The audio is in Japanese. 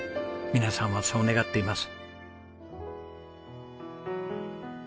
美奈さんはそう願っています。